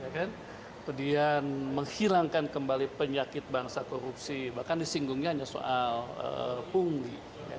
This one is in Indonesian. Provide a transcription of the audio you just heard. kemudian menghilangkan kembali penyakit bangsa korupsi bahkan disinggungnya hanya soal punggi